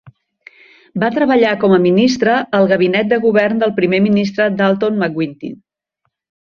Va treballar com a ministra al gabinet de govern del primer ministre Dalton McGuinty.